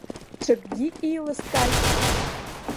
Ҽакгьы еилыскааит.